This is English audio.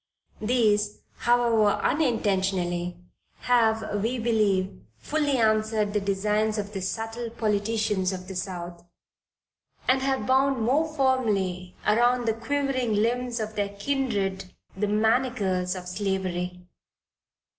These, however unintentionally, have, we believe, fully answered the designs of the subtle politicians of the South and have bound more firmly around the quivering limbs of their kindred the manacles of slavery.